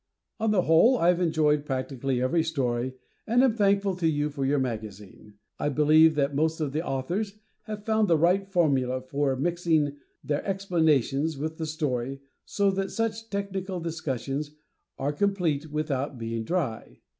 On the whole I've enjoyed practically every story, and am thankful to you for your magazine. I believe that most of the authors have found the right formula for mixing their explanations with the story so that such technical discussions are complete without being dry.